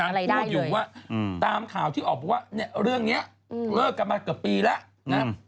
พูดอยู่ว่าตามข่าวที่ออกมาว่าเนี่ยเรื่องนี้เลิกกันมาเกือบปีแล้วนะ